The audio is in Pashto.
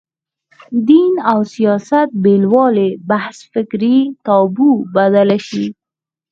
دین او سیاست بېلوالي بحث فکري تابو بدله شي